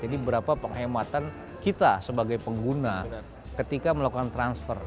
jadi berapa penghematan kita sebagai pengguna ketika melakukan transfer